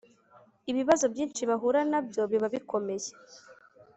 ibibazo byinshi bahura na byo biba bikomeye